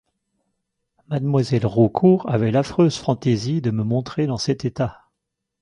Mademoiselle Raucourt avait l'affreuse fantaisie de me montrer dans cet état.